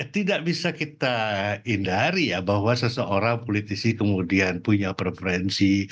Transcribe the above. tidak bisa kita hindari ya bahwa seseorang politisi kemudian punya preferensi